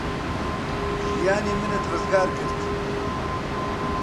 ژیانی منت ڕزگار کرد.